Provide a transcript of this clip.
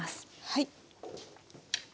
はい。